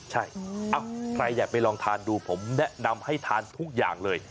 ใช่ใครอยากไปลองทานดูผมแนะนำให้ทานทุกอย่างเลย